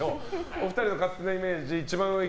お二人の勝手なイメージ。